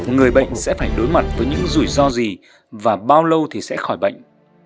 người bệnh sẽ phải đối mặt với những rủi ro gì và bao lâu thì sẽ khỏi bệnh